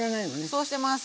そうしてます